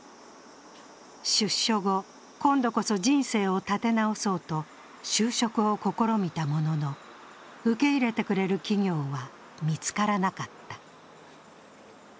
出所後、今度こそ人生を立て直そうと就職を試みたものの、受け入れてくれる企業は見つからなかった。